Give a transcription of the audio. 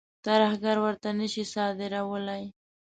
ترهګر ورته نه شي صادرولای.